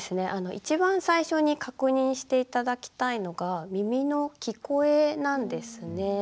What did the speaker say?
一番最初に確認して頂きたいのが耳の聞こえなんですね。